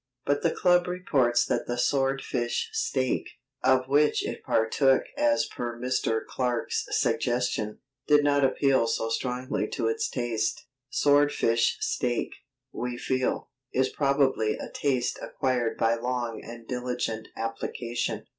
But the club reports that the swordfish steak, of which it partook as per Mr. Clarke's suggestion, did not appeal so strongly to its taste. Swordfish steak, we feel, is probably a taste acquired by long and diligent application.